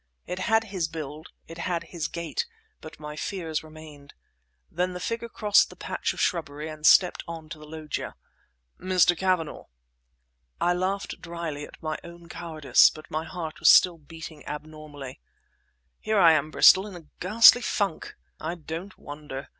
It had his build, it had his gait; but my fears remained. Then the figure crossed the patch of shrubbery and stepped on to the loggia. "Mr. Cavanagh!" I laughed dryly at my own cowardice, but my heart was still beating abnormally. "Here I am, Bristol, in a ghastly funk!" "I don't wonder!